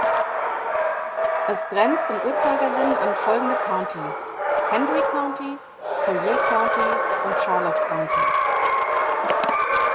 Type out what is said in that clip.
Es grenzt im Uhrzeigersinn an folgende Countys: Hendry County, Collier County und Charlotte County.